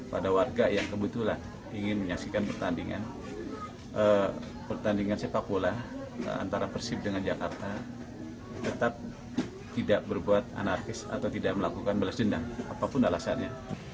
pada warga yang kebetulan ingin menyaksikan pertandingan pertandingan sepak bola antara persib dengan jakarta tetap tidak berbuat anarkis atau tidak melakukan balas dendam apapun alasannya